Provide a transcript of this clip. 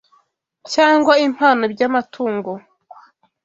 cyangwa impano by’amatungo